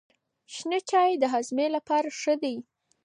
شنه چای د هاضمې لپاره ښه دی.